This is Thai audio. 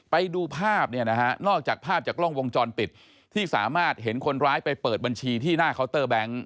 ไปดูภาพเนี่ยนะฮะนอกจากภาพจากกล้องวงจรปิดที่สามารถเห็นคนร้ายไปเปิดบัญชีที่หน้าเคาน์เตอร์แบงค์